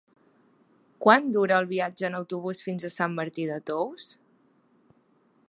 Quant dura el viatge en autobús fins a Sant Martí de Tous?